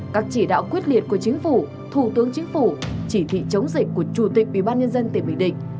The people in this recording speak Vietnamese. các chỉ đạo quyết liệt của chính phủ thủ tướng chính phủ chỉ thị chống dịch của chủ tịch ubnd tỉnh bình định